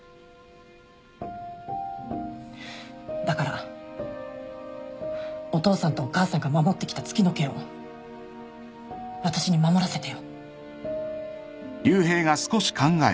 だからお父さんとお母さんが守ってきた月乃家を私に守らせてよ。